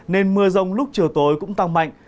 nên mưa rông lúc chiều tối cũng tăng mạnh